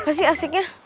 apa sih asiknya